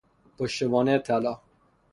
پشتوانه طلا